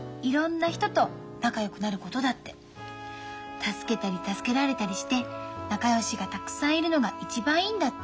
助けたり助けられたりして仲よしがたくさんいるのが一番いいんだって。